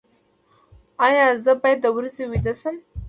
ایا زه باید د ورځې ویده شم؟